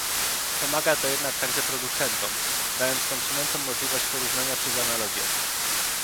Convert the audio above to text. Pomaga to jednak także producentom, dając konsumentom możliwość porównania przez analogię